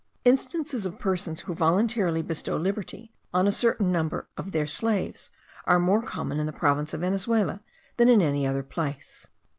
Instances of persons who voluntarily bestow liberty on a certain number of their slaves, are more common in the province of Venezuela than in any other place.